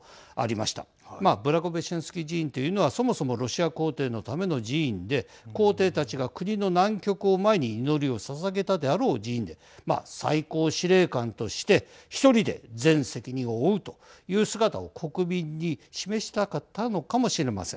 まあ、ブラゴベシェンスキー寺院というのはそもそもロシア皇帝のための寺院で皇帝たちが国の難局を前に祈りをささげたであろう寺院でまあ、最高司令官として１人で全責任を負うという姿を国民に示したかったのかもしれません。